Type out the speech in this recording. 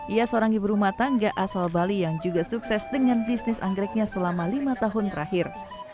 ia seorang ibu rumah tangga asal bali yang juga sukses dengan bisnis anggreknya selama lima tahun terakhir